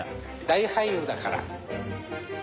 大俳優だから。